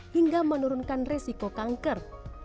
hingga menurunkan resiko kanker